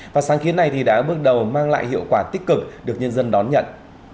và sáng kiến này thì đã bước đầu mang lại hiệu quả tích cực được nhân dân đón nhận